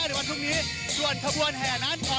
ส่วนขบวนแห่นั้นขอเจอกับท่านผู้ชมมาเที่ยวได้ในปีหน้า